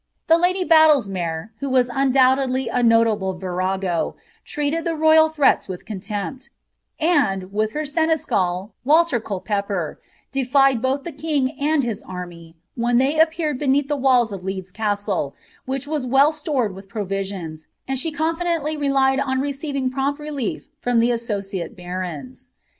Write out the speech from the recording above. The lady Badlesmere, who was uudoubiedly a nolable vingO) ami the royal threats with contempt; and, with her senescltal Waller Cal» pepper, defied both ihe king and his army, wheji they appeared bcDMlli the walls of Leeds Castie, wluch was well stored with proviaiona, tai she confidently relied on receiving prompt relief from lite aiti'rrt' barons.